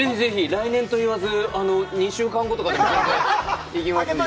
来年と言わず、２週間後とかでも、全然行きますので。